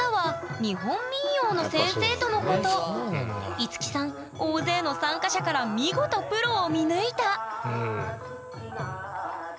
樹さん大勢の参加者から見事プロを見抜いた！